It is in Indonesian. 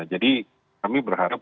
jadi kami berharap